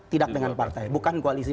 tidak dengan partai bukan koalisi